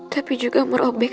tapi juga merobek